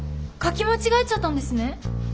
書き間違えちゃったんですね。